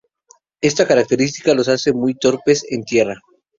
Esta característica los hace muy torpes en tierra.